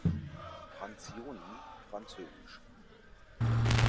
Frazioni, frz.